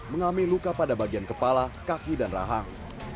mengalami luka pada bagian kepala kaki dan rahang